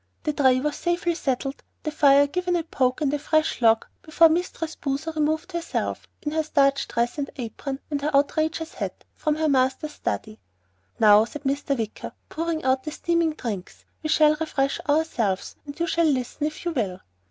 The tray was safely settled, the fire given a poke and a fresh log before Mistress Boozer removed herself, in her starched dress and apron and her outrageous hat, from her master's study. "Now," said Mr. Wicker, pouring out the steaming drinks, "we shall refresh ourselves and you shall listen, if you will."